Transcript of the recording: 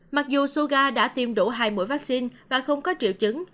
mặc dù suga đã tiêm đủ hai mũi vaccine và không có triệu chứng